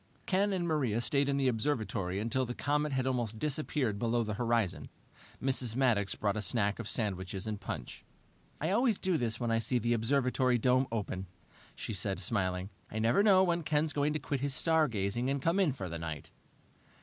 Ken and Maria stayed in the observatory until the comet had almost disappeared below the horizon. Mrs. Maddox brought a snack of sandwiches and punch. "I always do this when I see the observatory dome open," she said, smiling. "I never know when Ken's going to quit his stargazing and come in for the night."